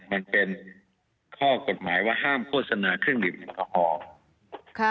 มันเป็นข้อกฎหมายว่าห้ามโฆษณาเครื่องดื่มแอลกอฮอล์